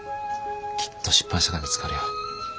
きっと出版社が見つかるよ。